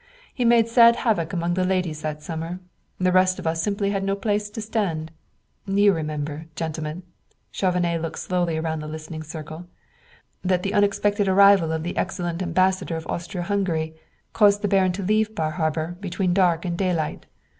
He made sad havoc among the ladies that summer; the rest of us simply had no place to stand. You remember, gentlemen," and Chauvenet looked slowly around the listening circle, "that the unexpected arrival of the excellent Ambassador of Austria Hungary caused the Baron to leave Bar Harbor between dark and daylight.